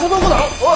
おい！